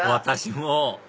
私も！